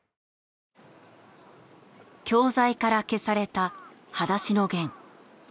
教材から消された『はだしのゲン』。